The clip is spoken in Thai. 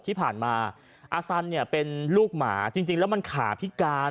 ที่ผ่านมาอาสันเนี่ยเป็นลูกหมาจริงแล้วมันขาพิการ